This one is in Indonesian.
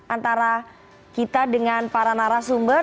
antara kita dengan para narasumber